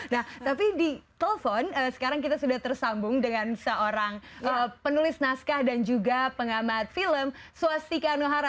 nah tapi di telepon sekarang kita sudah tersambung dengan seorang penulis naskah dan juga pengamat film swastika nuhara